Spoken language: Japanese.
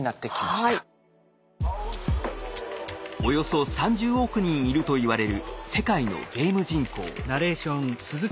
およそ３０億人いるといわれる世界のゲーム人口。